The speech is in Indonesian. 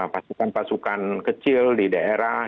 pasukan pasukan kecil di daerah